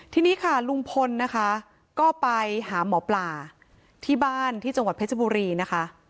ทีนี้ค่ะลุงพลนะคะก็ไปหาหมอปลาที่บ้านที่จังหวัดเพชรบุรีนะคะ